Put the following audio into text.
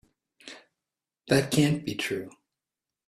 That can't be true.